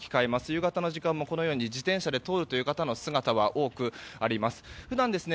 夕方の時間も自転車で通る方の姿は多くあります。